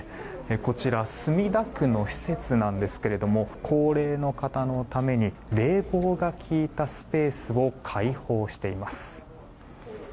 こちら墨田区の施設なんですけれども高齢の方のために冷房が効いたスペースを開放しています。